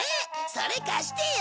それ貸してよ。